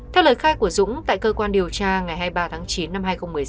theo lời khai của dũng tại cơ quan điều tra ngày hai mươi ba tháng chín năm hai nghìn một mươi sáu